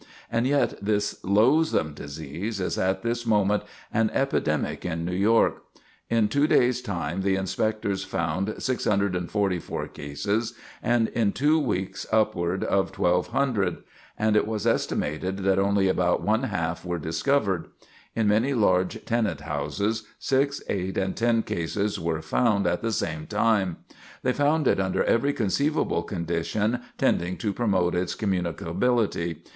And yet this loathsome disease is at this moment an epidemic in New York. In two days' time, the inspectors found 644 cases, and in two weeks, upward of 1,200; and it was estimated that only about one half were discovered. In many large tenant houses, six, eight, and ten cases were found at the same time. They found it under every conceivable condition tending to promote its communicability.